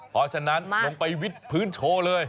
พอฉะนั้นลงไปวิทย์พื้นโชว์เลย